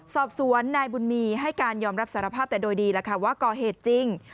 สอบสวนนายบุญมีให้การยอมรับสารภาพแต่โดยดีแล้วค่ะว่าก่อเหตุจริง